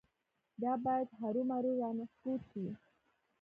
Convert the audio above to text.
دا باید هرومرو رانسکور شي.